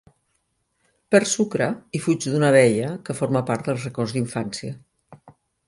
Perd sucre i fuig d'una abella que forma part del records d'infància.